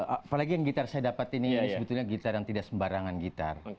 apalagi yang gitar saya dapat ini sebetulnya gitar yang tidak sembarangan gitar